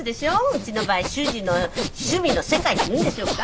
うちの場合主人の趣味の世界っていうんでしょうか。